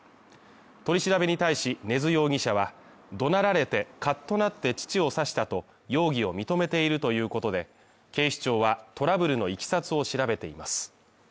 取り調べに対し根津容疑者は、怒鳴られて、かっとなって父を刺したと容疑を認めているということで、警視庁は、トラブルの経緯を調べています。